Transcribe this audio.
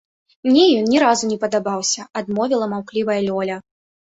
— Мне ён ні разу не падабаўся, — адмовіла маўклівая Лёля.